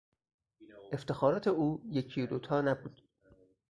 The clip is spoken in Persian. افتخارات او یکی و دو تا نبود.